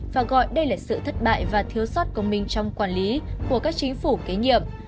và gọi đây là sự thất bại và thiếu sót của mình trong quản lý của các chính phủ kế nhiệm